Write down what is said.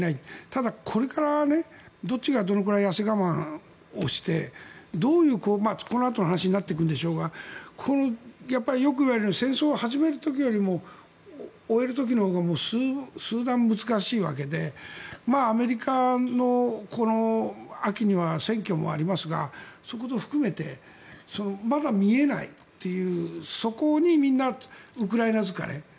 ただ、これからどっちがどれぐらい痩せ我慢をしてどういうこのあとの話になっていくんでしょうがやっぱりよく言われる戦争は始める時よりも終える時のほうが数段難しいわけで、アメリカの秋には選挙もありますがそういうことを含めてまだ見えないというそこにみんなウクライナ疲れ。